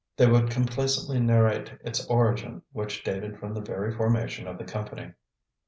They would complacently narrate its origin, which dated from the very formation of the Company.